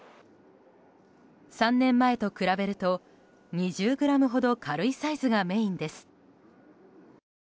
３年前と比べると２０ｇほど軽いサイズがメインです。